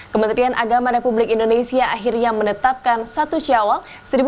kementerian agama republik indonesia akhirnya menetapkan satu syawal